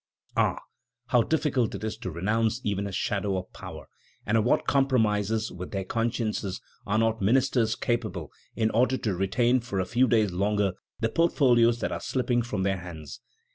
Ah! how difficult it is to renounce even a shadow of power, and of what compromises with their consciences are not ministers capable in order to retain for a few days longer the portfolios that are slipping from their hands!